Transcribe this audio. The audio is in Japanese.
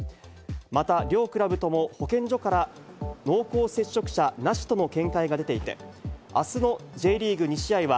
また、両クラブとも保健所から、濃厚接触者なしとの見解が出ていて、あすのＪリーグ２試合は、